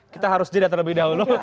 kita harus jeda terlebih dahulu